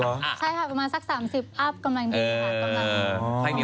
รึอ๊ะใช่ค่ะประมาณสัก๓๐อัพกำลังดีค่ะ